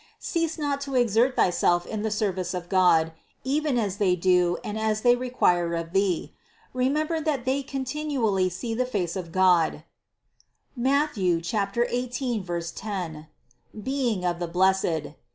Cease not to exert thyself in the service of God, even as they do and as they require of thee. Remember that they continually see the face of God (Matth. 18, 10) being of the blessed.